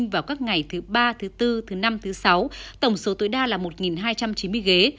vào các ngày thứ ba thứ bốn thứ năm thứ sáu tổng số tối đa là một hai trăm chín mươi ghế